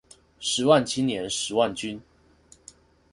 十萬青年十萬軍